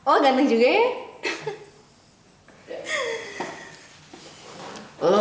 oh ganteng juga ya